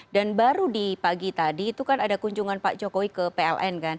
dan baru di pagi tadi itu kan ada kunjungan pak jokowi ke pln kan